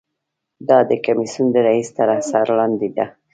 دا د کمیسیون د رییس تر اثر لاندې ده.